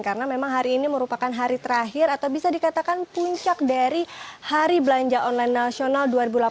karena memang hari ini merupakan hari terakhir atau bisa dikatakan puncak dari hari belanja online nasional dua ribu delapan belas